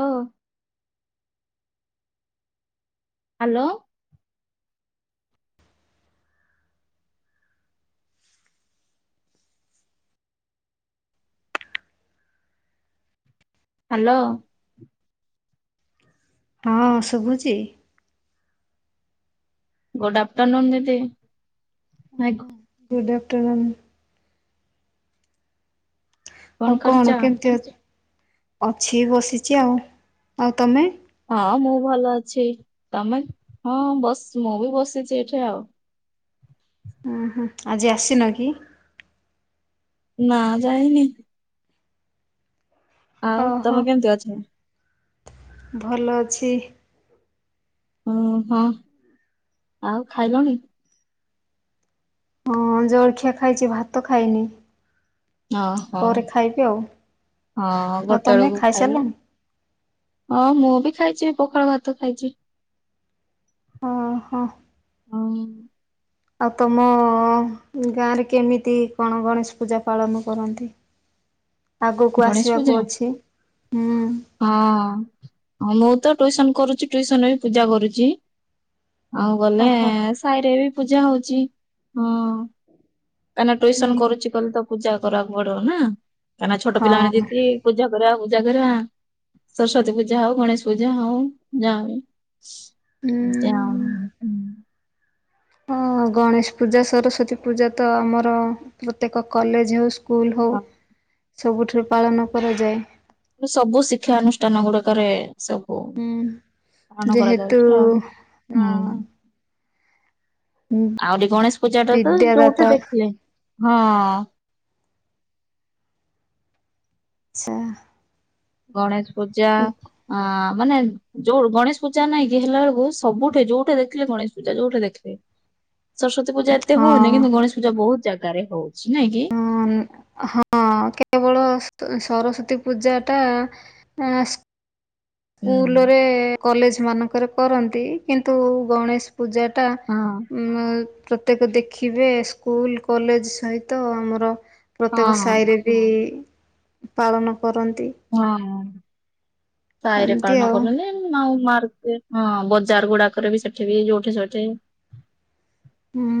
ଓ hello hello ହଁ ଶୁଭୁଛି good afternoon ଦିଦି ଗୁଡ଼୍ ଆଫ୍ଟର୍ନୁନ୍ ଆଉ କଣ କେମତି ଅଛି ଅଛି ବସିଛି ଆଉ ଆଉ ତମେ ହଁ ମୁଁ ଭଲ ଅଛି ତମେ ହଁ ବସ ମୁଁ ବି ବସିଛି ଏଠି ଆଉ ଉୁଁ ହୁଁ ଆଜି ଆସିନ କି ନା ଯାଇନି ଆଉ ଓହୋ। ତମେ କେମିତି ଅଛ ଭଲ ଅଛି ହୁଁ ହଁ ଆଉ ଖାଇଲଣି ହଁ ଜଳଖିଆ ଖାଇଛି ଭାତ ଖାଇନି ଓହୋ ପରେ ଖାଇବି ଆଉ। ହଁ ଆଉ ଗୋଟେ ତମେ ବଳକୁ ଖାଇବ ଖାଇସାରିଲଣି? ହଁ ମୁଁ ବି ଖାଇଛି ପୋଖାଳ ଭାତ ଖାଇଛି ଓ ହୋ ହଉ ଆଉ ତମ ଗାଁରେ କେମିତି କଣ ଗଣେଶ ପୂଜା ପାଳନ କରନ୍ତି ଆଗକୁ ଗଣେଶ ପୂଜା? ଆସିବାକୁ ଅଛି ହୁଁ ହଁ ମୁଁ ତ ଟୁସନ କରୁଛି ଟ୍ୟୁସନ ବି ପୂଜା କରୁଛି ଆଉ ଗଲେ ଓହୋ। ସାହିରେ ବି ପୂଜା ହଉଛି ହଁ କାହିଁକି ଟୁସ ହୁଁ। କରୁଛି କହଲି ତ ପୂଜା କରିବାକୁ ପଡିବ ନା କାହିଁକ ନା ଛୋଟ ହଁ ପିଲାମାନେେି ପୂଜା କରିବାକୁ ଜାଗର ସରସ୍ଵତୀ ପୂଜା ହଉ ଗଣେଶ ପୂଜା ହଉ ଯ ହ ତ ଉଁ ହଁ ଗଣେଶ ପୂଜା ସରସ୍ଵତୀ ପୂଜା ତ ଆମର ପ୍ରତ୍ୟେକ କଲେଜ ହଉ ସ୍କୁଲ ହଉ ହଁ ସବୁଠାରୁ ପାଳନ କରାଯାଏ ସବୁ ଶିକ୍ଷାନୁଷ୍ଠାନ ଗୁଡିକରେ ସବୁ ହୁଁ ପାଳନ ଯେହେତୁ କରାଯାଉଛି ଆଉ ଆ ହୁଁ ଆହୁରି ଗଣେଶ ପୂଜା ଟା ତ ଯୋଉଠି ବିଦ୍ୟାଦାତା ଦେଖିଲେ ହଁ ଆଛା ଗଣେଶ ପୂଜା ହଁ ଆ ମାନେ ଯୋଉ ଗଣେଶ ପୂଜା ନାଇଁ କି ହେଲା ବେଳକୁ ସବୁଠେ ଯୋଉଠି ଦେଖିଲେ ଗଣେଶ ପୂଜା ଯୋଉଠି ଦେଖିଲେ ସରସ୍ତୀ ପୂା ଏତେ ହଉନି କିନ୍ତ ହଁ ଗଣେଶ ପୂଜାହୁ ଜାଗା ାଗାରେ ହଉଛି ନାଇଁ କି ହ ହଁ କେବଳ ସରସ୍ଵତୀ ପୂଜା ଟା ହୁଁ ସ୍କୁଲରେ କଲେଜ ମାନଙ୍କ [unintelligible] କରନ୍ତି କିନ୍ତୁ ଗଣେଶ ପୂଜାଟା ହଁ ପ୍ରତ୍ୟେକ ଦେଖିବେ ସ୍କୁଲ କଲେଜ ସହିତ ଆମର ପ୍ରତ୍ୟେକ ହଁ ସାହିରେ ବି ପାଳନ କରନ୍ତି ହଁ ସାହିରେ ଏମିତି ପାଳନ ଆଉ କରନ୍ତି ମାର ହଁ ବଜାର ଗୁଡାକରେ ବି ସେଠି ବି ଯୋଉଠି ସେଠି ହୁଁ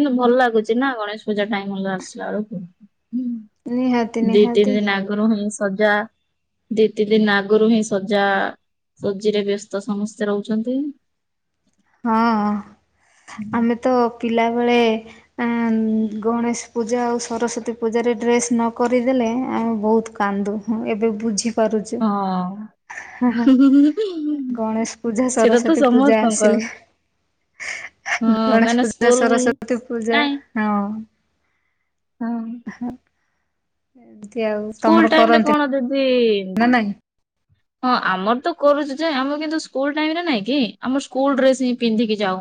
ଏନ ଭଲ ଲାଗୁଛି ନା ଗଣେଶ ପୂଜା ଟାଇମ ଭଲ ଆସିଲା ବେଳକୁ ନିହାତି ହ ଦି ନିହାତି ତିନି ଦିନ ଆଗରୁ ହିଁ ସଜା ଦି ତି ଦିନ ଆଗରୁ ହିଁ ସଜା ସଜିରେ ବ୍ୟସ୍ତ ସମସ୍ତେ ରହୁଛନ୍ତି ହଁ ଆମେ ତ ପିଲା ସେତେବେଳେ ଗଣେଶ ପୂଜା ଆଉ ସରସ୍ଵତୀ ପୂଜାରେ ଡ୍ରେସ୍ ନ କରିଦେଲେ ଆମେ ବହୁତ କାନ୍ଦୁ ଏବେ ବୁଝି ହଁ ଗଣେଶ ପୂଜା ସେଟା ତ ସରସ୍ଵତୀ ପୂଜା ସମସ୍ତଙ୍କ ଗଣେଶ କାହିଁକିନା ପୂଜା ସ୍କୁଲ ସରସ୍ଵତୀ ପୂଜା କାଇଁ ହଁ ହଁ ସେ ସ୍କୁଲ ଟାଇମ ରେ କଣ ଦିଦି ନା ନାଇଁ ହଁ ଆମର ତ କରୁଛି ଯେ ଆମ କି ସ୍କୁଲ ଟାଇରେ ନାଇଁ କି ଆମ ସ୍କୁଲ ଡ୍ରେସ୍ ହି ପିନ୍ଧିକି ଯାଉ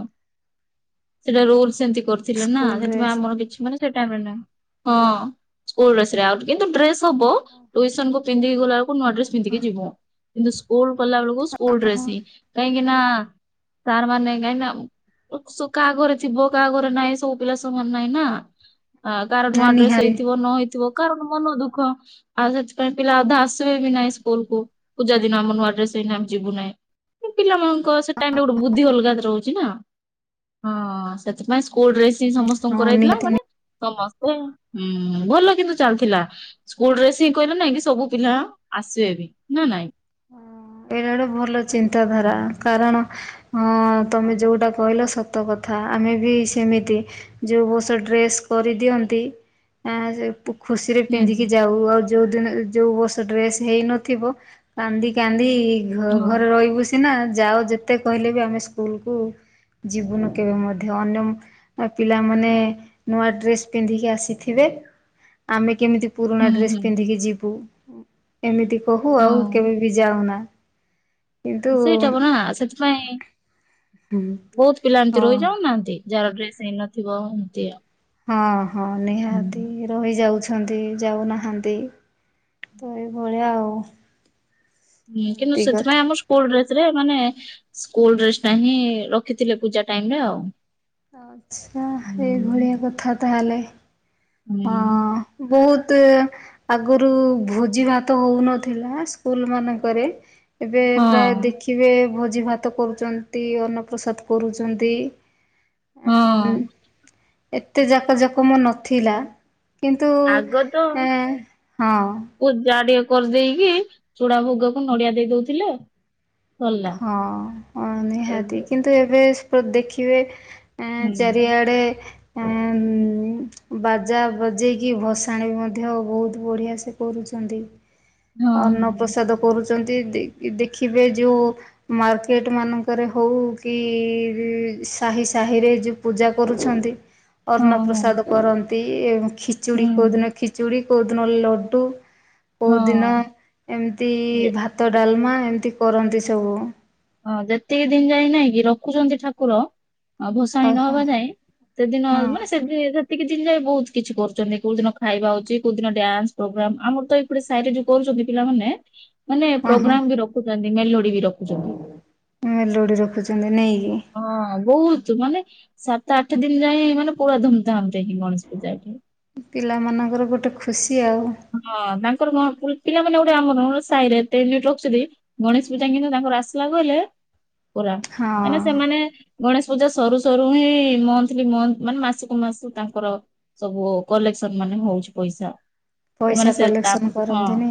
ସେଟା ରୁଲମ କରିଥିଲେ ନା ସ୍କୁଲ ସେଥିପାଇଁ ଡ୍ରେସ୍ ଆମର କିଛି ମାନ [unintelligible] ହଁ ସ୍କୁଲ ଡ୍ରେସରେ ଆଉ କିନ୍ତୁ ଡ୍ରେସ ହବ ଟିଉସନ କୁ ପିନ୍ଧି ଗଲା କୁ ନୂଆ ଆଡ୍ରେସ ପନ୍ଧିକି ଯିବୁ କିନ୍ତୁ ସ୍କୁଲ କଲା ବେଳକୁ ସ୍କୁଲ ଡ୍ରେସ୍ ହିଁ କାହିଁକି ନା ସାର୍ ମାନେ କାହିଁକି ନା କାହା ଘରେ ଥିବ କାହା ଘରେ ନାହିଁ ସବୁ ପିଲା ସବୁ ମାନ ନହିଁ ନା ହଁ କାାର ନୂଆ ଡ୍ରେସ୍ ହେଇଥିବ ନ ହେଇଥିବ କ ମନ ଦୁଃଖ ଆଉ ସେଥିପାଇଁ ପିଲା ଅଧା ଆସିବେ ବି ନାଇ ସ୍କୁଲ କୁ ପୂଜା ଦିନ ଆମ ନୂଆଡ୍ରେସରେ ହେଇନ ଆମେ ଯିବୁ ନାହିଁ ପିଲାମାନଙ୍କୁ ସେ ଟାଇମ୍ ରେ ଗୋଟେ ବଦ୍ଧି ହଲଗା ର ହଁ ସେଥିାଇଁ କୋ ଡ୍ରେସ ସମସ୍ତଙ୍କୁ ହଁ କରାଇଥିଲା ନିହାତି ମାନେ ସମସ୍ତ ଓ ହୁଁ ଭଲ କିନ୍ତୁ ଚାଲିଥିଲା ସ୍କୁଲ ଡ୍ରେସ୍ ହିଁ କହିଲ ନାଇଁ କି ସବୁ ପିଲା ଆସିବେ ବି ନା ନାଇଁ ଏଇଟା ଗୋଟେ ଭଲ ଚିନ୍ତାଧାରା କାରଣ। ହଁ ତମେ ହଁ। ଯୋଉଟା କହିଲ ସତ ସତ କଥା ଆମେ ବି ସେମିତି ଯେଉଁ ବଷ ଡ୍ରେସ୍ କରିଦିଅନ୍ତି ଆଁ ଯେ। ତୁ ଖୁସିରେ ହୁଁ ପିନ୍ଧିକି ଯାଉ ଆଉ ଯୋଉ ଦିନ ଯୋଉ ବର୍ଷ ଡ୍ରେସ ହେଇନଥିବ କାନ୍ଦି କାନ୍ଦି ଏଇ ଘ ହଁ ଘରେ ରହିବୁ ସିନା ଯାଅ ଯେତେ କହିଲେ ବି ଆମେ ସ୍କୁଲକୁ ଯିବୁନୁ କେବେ ମଧ୍ୟ, ଅନ୍ୟ ପିଲାମାନେ ନୂଆ ଡ୍ରେସ୍ ପିନ୍ଧିକି ଆସିଥିବେ ଆମେ କେମିତି। ପୁରୁଣା ହୁଁ ଡ୍ରେସ୍ ହୁଁ ପିନ୍ଧିକି ଯିବୁ ଏମିତି ବୋହୁ ଆଉ କେବେ ହଁ। ବି ଯାଉନା କିନ୍ତୁ ସେଇଟା ହ ନା ସେ ଥି ପାଇଁାଇ ହଁ। ବହୁତ ପିଲା ଏମିତି ରହି ଯାଉନାହାନ୍ତି ଯାହାର ଡ୍ରେସ ହେଇନଥିବ ଯେ ହଁ ହଁ ନିହାତି ରହିଯାଉଛି। ଅନ୍ତି ଯାଉନାହାନ୍ତି। ତ ଏଇଭଳିଆ ଆଉ ଓ ହ ହୁଁ କିନ୍ତୁ ସେଥିପାଇଁ ଆମ ସ୍କୁଲ ଡ୍ରେସ୍ ରେମାନେ ସ୍କୁଲ ଡ୍ରେସ ଟା ହିଁ ରଖିଥିଲେ ପୂଜା ଟାଇମ ରେ ଆଉ ଆଛା ହୁଁ ଏଇଭଳିଆ କଥା ତାହଲେ ହୁଁ ବହୁତ ଆଗରୁ ଭୋଜି ଭାତ ହୋଉନଥିଲା ସ୍କୁଲ ମାନଙ୍କରେ ଏବେ ପ୍ରାୟ ଦେଖିବେ ଭ ଜି ଭାତ କରୁଛନ୍ତି ।ଅନ୍ନ ପ୍ର୍ରସାଦ କରୁଛନ୍ତି। ଆ ହଁ ଏତେ ଯାକ ଯକମ ନଥିଲା କିନ୍ତୁ ଆଗ ତ ଏଁ ହଁ ପୂଜା ଟିକେ କରିଦେଇକି ଚୂଡା ଭୋଗ କୁ ନଡିଆ ଦେଇ ଦଉଥିଲେ ସରିଲା ହଁ ନିହାତି ଏବେ କିନ୍ତୁ ଏବେ ଦେଖିବେ ଆଁ ହୁଁ ଚାରଆଡେ ବାଜା ବଜେଇକି ଭସାଣ ବି ମଧ୍ୟ ବହୁତ ବଢ଼ିଆ ସେ କରୁଛନ୍ତି ହଁ ଅନ୍ନ ପ୍ରସାଦ କରୁଛି ଛନ୍ତି ଦେଖିବେ ଯୋଉ ମାର୍କେଟ ମାନଙ୍କରେ ହଉ କି ସାହି ସାହିରେ ଯୋଉ ପୂଜା କରୁଛନ୍ତି ହଁ ଅନ୍ଣ ହଁ ପ୍ର୍ରସାଦ କରନ୍ତି ଏବବାଗ୍ଗ ଖିଚୁଡ଼ି ହଁ ହୁଁ କେଉଁଦିନ ଖିଚୁଡ଼ି କଦନଲ ଲୋଡ଼ୁ କୋଉ ଦିନ ହଁ। ଏମିତି ଯେ- ଭାତ ଡାଲମା ଏମିତି କରନ୍ତି ଯଉ ହଁ ଯେତିକି ଦିନ ଯାଇ ନାଇଁ କି ରଖୁଛନ୍ତି ଠାକୁର ଆଉ ଭସାଣି ଓହୋ ନହବା ଯାଇଁ ସେଦିନ ହଁ ସେ ଟିକେ ଜିନି ଯା ବହୁତ କିଛି କରୁଛନ୍ତି କୋଉ ଦିନ ଖାଇବା ହଉଛି କୋଉଦିନ ଡ୍ୟାନ୍ସ ପ୍ରୋଗ୍ରାମ ଆମର ତ ଏଇପଟେ ସାରେ ଯୋଉ କରୁଛନ୍ତି ପିଲାମାନେ ମାନେ ହଁ ହଁ ପ୍ରୋଗ୍ରାମ ବି ରଖୁଛି ମେଲୁ ବି ରଖୁଛନ୍ତି ମେଲୋଡି ରଖୁଛନ୍ତି ନେଇକି ହଁ ବହୁତ ମାନେ ସାତ ଆଠ ଦିନ ଯାଏ ମାନେ ପୁରା ଧୁମ ଧାମ୍ ରେ ହିଁ ଗଣେଶ ପୂଜା ଏଠି ପିଲାମାନାନଙ୍କର ଗୋଟେ ଖୁସି ଆଉ ହଁ ତାଙ୍କର ପିଲା ମାନେ ଗୋଟେ ଆମରୋ ସାହି ରେତିନିିନି ରଖୁଛନ୍ତି ଗଣେଶ ପୂଜା କିନ୍ତୁ ତାଙ୍କ ଆସିଲାିଲଲେ ପୁରା ହଁ କାଇଁନା ସେମାନେ ଗଣେଶ ପୂଜା ସରୁ ସରୁ ହିଁ ମନ୍ଥଲି ମାନେ ମାସକୁ ମାସ ତାଙ୍କର ସବୁ କଲେକ୍ସନ ମାନେ ହଉଛି ପଇସା ସେମାନେ ପଇସା ସେ ତା କଲେକ୍ସନ ହଁ କରନ୍ତିନି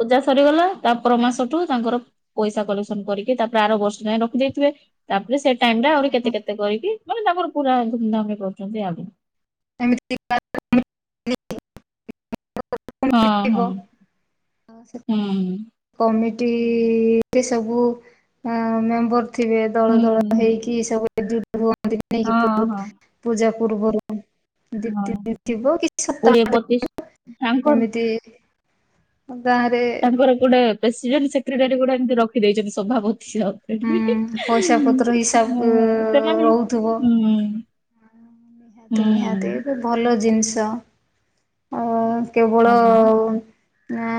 ପୂଜା ସରିଗଲା ତା ପର ମାସଠୁ ତାଙ୍କର ପଇସା କଲେକ୍ସନ କରିକି ତାପରେ ଆର ବର୍ଷ ଯାଏ ରଖିଦେଇଥିବେ ତାପରେ ସେ ଟାଇମ ଆହୁରି କେତେ କେତେ କରିକି ମାନେ ତାଙ୍କର ପୁରା ଧୁମଧାମ ରେ କରୁଛନ୍ତି ଆଗ ମର ହଁ ହଁ ହୁଁ କମିଟି ସବୁ ମେମ୍ବର ଥିବେ ଦଳ ହୁଁ ଦଳ ହୁଁ ହେଇକି ସବୁ ଏ ଭୁନ୍ତି ନେଇକି ହଁ ହଁ ପୂଜା ପୂର୍ବରୁ ଦ ହଁ ଦିନ ଥିବ କିଛି କୋଡିଏ ପଚିଶ ସପ୍ତାହ ତାଙ୍କର କେମିତି ତାଙ୍କର କୋଉଟା ପ୍ରେସିଡେଣ୍ଟ ସେକ୍ରେଟାରୀ ଗୋଟା ଏତି ରଖି ଦେଇଛନ୍ତି ସଭାପ ଉଁ ହଁ ପଇସା ପତ୍ର ହିସାବ ହଁ ସେମାନେ ରହୁଥିବ ହଁ ନିହାତି ନିହାତି ଏ ଭଲ ଜିନିଷ ଅ କେବଳ ହଁ ଆ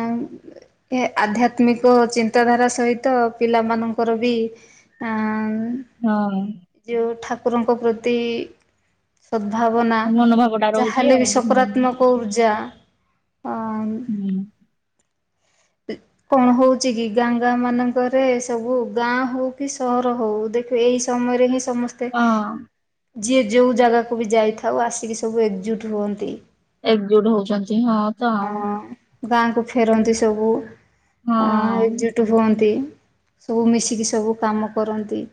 ଆଧ୍ୟାତ୍ମିକ ଚିନ୍ତାଧାରା ସହିତ ପିଲାମାନଙ୍କର ବି ଆ ହଁ ଠାକୁରଙ୍କ ପ୍ରତି ସଦ୍ଭାବନା ହଁ ମନୋଭାବ ଟା ଯା ରହୁଛି ହେଲେ ଆଉ ବି ହୁଁ ସକାରାତ୍ମ ପୂଜା ହୁଁ କଣ ହଉଚି କି ଗାଁ ଗାଁ ମାନଙ୍କରେ ସବୁ ଗାଁ ହଉ କି ସହର ହଉ ଦେଖିବ ଏଇ ସମୟରେ ହିଁ ସମସ୍ତେ ହଁ। ଯିଏ ଯେଉଁ ଜାଗାକୁ ବି ଯାଇଥାଉ ଆସିକି ସବୁ ଏକଜୁଟ୍ ହୁଅନ୍ତି। ଏକଜୁଟ ହଉଛନ୍ତି ହଁ ତ ହଁ ଗାଁକୁ ଫେରନ୍ତି ସବୁ ଅଁ ହଁ। ଏକଜୁଟ ହୁଅନ୍ତି। ସବୁ ମିଶିକି ସବୁ କାମ କରନ୍ତି।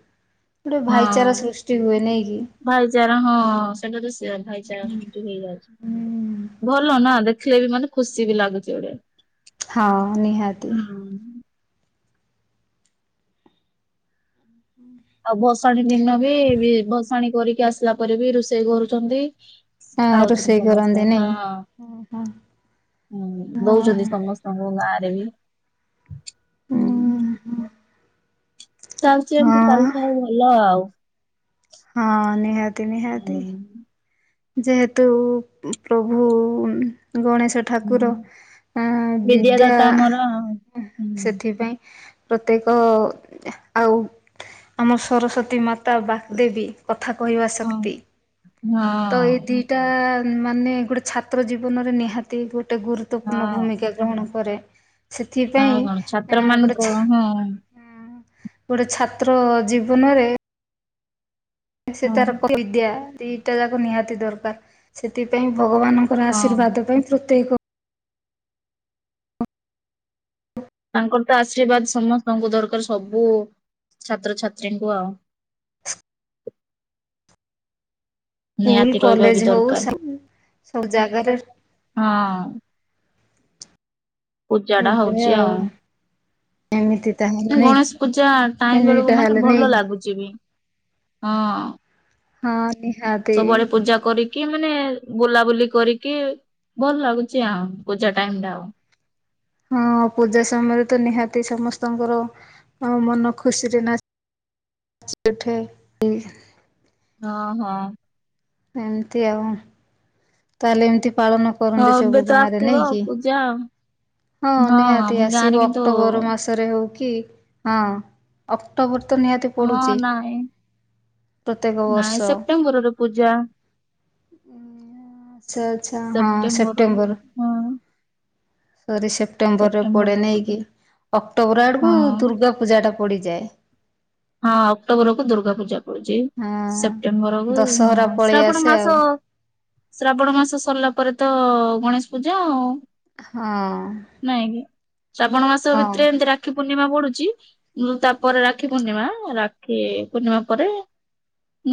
ଗୋଟେ ହଁ ଭାଇଚାରା ସୃଷ୍ଟି ହୁଏ ନାଇଁ କି? ଭାଇଚାରା ହଁ ସେଟାରୁ ସେୟା ଭାଇଚାରା ସୃଷ୍ଟି ହେଇଯାଉଛି ଭଲ ନା ଦେ ଦେଖିଲେ ବି ମାନେ ଖୁସି ବି ଲାଗୁଛି ଗୋଟେ ହଁ ନିହାତି ହୁଁ। ଆଉ ଭସାଣି ଦିନ ବି ଭସାଣି କରିକି ଆସିଲା ପରେ ବି ରୋଷେଇ କରୁଛନ୍ତି ହଁ ଖାଉଛନ୍ତି ରୋଷେଇ କରନ୍ତି ସମସ୍ତେ ହଁ ନାଇଁ ହଁ ହଁ। ହଁ ଦଉଛନ୍ତି ସମସ୍ତଙ୍କୁ ଗାଁ [inaudible] ହୁଁ ଚାଲିଛି ଏମତି ହଁ ଚାଲିଥାଉ ଭଲ ଆଉ ହଁ ନିହା ଟି ନିହାତି ହୁଁ। ଯେହେତୁ ପ୍ରଭୁ ଗଣେଶ ହୁଁ ଠାକୁର ଆ ବିଦ୍ୟା ବିଦ୍ୟାଦାତା ଆମର ଆଉ। ହୁଁ ସେଥିପାଇଁ ପ୍ରତ୍ୟେକ ଆଉ ଆମର ସରସ୍ଵତୀ ମାତା ବାଗଦେବୀ କଥା କହିବା ହଁ। ଶକ୍ତି ହଁ ତ ଏଇ ଦିଟା ମାନେ ଗୋଟେ ଛାତ୍ର ଜୀବନରେ ନିହାତି ଗୋଟେ ଗୋଟେ ଗୁରୁତ୍ୱପୂର୍ଣ୍ଣ ହଁ ଭୂମିକା ଗ୍ରହଣ କରେ ସେଥିପାଇଁ ଆଉ କଣ ଛାତ୍ର ମାନଙ୍କ ଗୋଟେ ହଁ ହଁ। ଗୋଟେ ଛାତ୍ର ଜୀବନରେ ସେତାର ବିଦ୍ୟା ନିହାତି ଦରକାର ସେଥିପାଇଁ ଭଗବାନଙ୍କର ହଁ ଆଶୀର୍ବାଦ ପାଇଁ ପ୍ରତ୍ୟେକ ତାଙ୍କର ତ ଆଶୀର୍ବାଦ ସମସ୍ତଙ୍କୁ ଦରକାର ସବୁ ଛାତ୍ରଛାତ୍ରୀଙ୍କୁ ଆଉ। ସ୍କୁଲ, ନିହାତି ରହିବା ବି କଲେଜ ହଉ ଦରକାର ସବୁ ଜାଗାରେ ହଁ। ପୂଜା ଟା ଏଇଭଳିଆ ହଉଛି ଆଉ ଏମିତି ତାହେଲେ ଆଉ ନାଇଁ ଗଣେଶ ପୂଜା ଟାଇମ ଏମିତି ବେଳକୁ ମାନେ ତାହେଲେ ନାଇଁ ଭଲ କି ଲାଗୁଛି ବି। ହଁ। ହଁ। ନିହାତି। ସବୁଆଡେ ପୂଜା କରି କି ମାନେ ବୁଲାବୁଲି କରିକି ଭଲ ଲାଗୁଛି ଆଉ ପୂଜା ଟାଇମ ଟା ଆଉ। ହଁ ପୂଜା ସମୟରେ ତ ନିହାତି ସମସ୍ତଙ୍କର ମନ ଖୁସିରେ ନା ନାଚି ଉଠେ। ହଁ ହଁ। ଏମିତି ଆଉ। ତାହେଲେ ଏମିତି ପାଳନ କରନ୍ତି ହଉ ଏବେ ସବୁ ତ ଗାଁରେ ଆସିବ ନେଇକି ପୂଜା ଆଉ। ହଁ ଆମ ନିହାତି ଗାଁରେ ଆସିବ କିନ୍ତୁ ଅକ୍ଟୋବର ମାସରେ ହଉ କି ହଁ ଅକ୍ଟୋବର ତ ନିହାତି ହଁ ପଡୁଛି ନାଇଁ ପ୍ରତ୍ୟେକ ନାଇଁ ସେପ୍ଟେମ୍ବର ର ପୂଜା। ହୁଁ। ଆଚ୍ଛା ଆଚ୍ଛା ହଁ ସେପ୍ଟେମ୍ବର। ହଁ ସରି ସେପ୍ଟେମ୍ବର ରେ ପଡେ ସେପ୍ଟେମ୍ବରରେ ପୂଜା ନେଇକି ଅକ୍ଟୋବର ହଁ ଆଡକୁ ଦୁର୍ଗା ପୂଜାଟା ପଡ଼ିଯାଏ। ହଁ ଅକ୍ଟୋବର କୁ ଦୁର୍ଗା ପୂଜା ପଡୁଛି ହଁ। ସେପ୍ଟେମ୍ବର କୁ ଦଶହରା ପଳେଇ ଶ୍ରାବଣ ଆସେ ମାସ ଆଉ ଶ୍ରାବଣ ମାସ ସରିଲା ପରେ ତ ଗଣେଶ ପୂଜା ଆଉ। ହଁ ନାଇଁ କି ଶ୍ରାବଣ ମାସ ଭିତରେ ହଁ। ଏମତି ରାକ୍ଷୀ ପୂର୍ଣ୍ଣିମା ପୂର୍ଣ୍ଣିମା ପଡୁଛି ତାପରେ ରାକ୍ଷୀ ପୂର୍ଣ୍ଣିମା ରାକ୍ଷୀ ପୂର୍ଣ୍ଣିମା ପରେ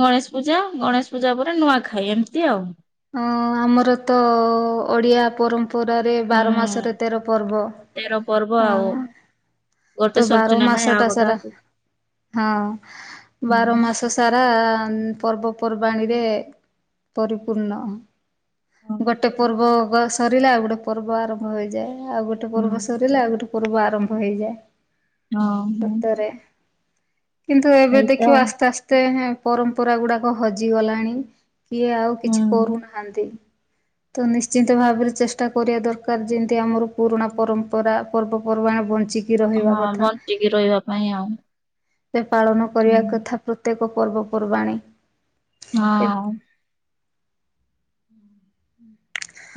ଗଣେଶ ପୂଜା ଗଣେଶ ପୂଜା ପରେ ନୂଆଖାଇ ଏମିତି ଆଉ। ହଁ ଆମର ତ ଓଡିଆ ପରମ୍ପରା ପରାରେ ବାର ହୁଁ। ମାସରେ ତେର ପର୍ବ। ତେର ପର୍ବ ହ ଆଉ ଗୋଟେ ତ ବାର ସରୁଛି ନା ମାସ ନାଇଁ ଆଉ ଟା ଗୋଟେ ସାରା ଆସୁଛି ହଁ ବାର ହୁଁ। ମାସ ସାରା ଆ ପର୍ବପର୍ବାଣିୀରେ ପରି ପୂର୍ଣ୍ଣ ହଁ ଗୋଟେ ପୂର୍ବ ସରିଲା ଆଉ ଗୋଟେ ପର୍ବ ଆରମ୍ଭ ହୋଇଯାଏ ଆଉ ଗୋଟେ ହଁ। ପର୍ବ ସରିଲ ଆଉ ଗୋଟେ ପର୍ବ ଆରମ୍ଭ ହେଇଯାଏ ହଁ ହ ସତରେ କିନ୍ତୁ ଏବେ ଦେଖିବା ଆସ୍ତେ ଆସ୍ତେ ପରମ୍ପରା ଗୁଡାକ ହଜିଗଲାଣି କିଏ ଆଉ ହୁଁ କିଛି ତ ନିଶ୍ଚିନ୍ତ ଭାବରେ ଚେଷ୍ଟା କରିବା ଦରକାର ଯେମିତି ଆମର ପୁରୁଣା ପରମ୍ପରା ପର୍ବପର୍ବାଣ ବଞ୍ଚିକି ରହିବା ହଁ କଥା। ବଞ୍ଚିକି ରହିବା ପାଇଁ ଆଉ ସେ ପାଳନ ହଁ କରିବା କଥା ପ୍ରତ୍ୟେକ ପର୍ବପର୍ବାଣି ଏ ହଁ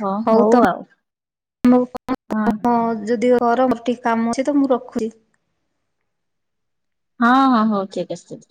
ହଁ ହଉ ତ ଆଉ ହଁ କଣ ଯଦି ଘର ଟିକେ କାମ ଅଛି ତ ମୁଁ ରଖୁଛି ହଁ ହଁ ହଉ ଠିକ ଅଛି